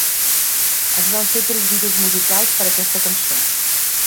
Es van fer tres vídeos musicals per a aquesta cançó.